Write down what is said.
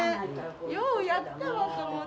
ようやったわと思って。